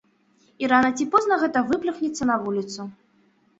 І рана ці позна гэта выплюхнецца на вуліцу.